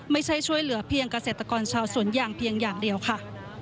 ไม่ใช่ช่วยเหลือเพียงกระเสร็จกรเชาว์สวนอย่างเพียงอย่างเดียวค่ะ